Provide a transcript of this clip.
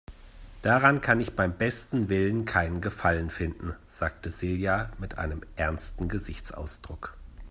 Daran kann ich beim besten Willen keinen Gefallen finden, sagte Silja mit einem ernsten Gesichtsausdruck.